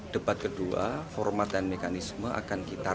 debat kedua format dan mekanisme akan kita